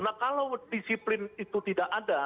nah kalau disiplin itu tidak ada